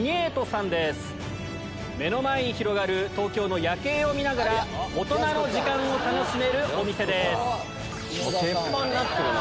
目の前に広がる東京の夜景を見ながら大人の時間を楽しめるお店です。